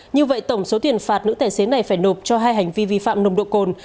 như vậy tổng số tiền phạt nữ tài xế này phải nộp cho hai hành vi vi phạm nồng độ cồn